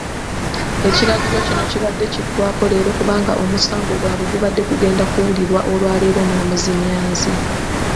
Ekiragiro kino kibadde kiggwako leero kubanga omusango gwabwe gubadde gugenda kuwulirwa olwaleero omulamuzi Nyanzi.